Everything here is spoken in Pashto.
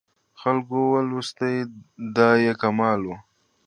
خلکو ولوستلې دا یې کمال و.